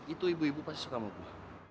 itu ibu ibu pasti suka sama gua